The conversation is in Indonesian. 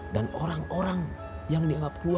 dan orang orang yang dianggap keluarga